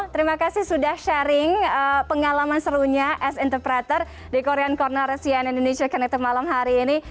terima kasih sudah sharing pengalaman serunya as interpreter di korean corner cn indonesia connected malam hari ini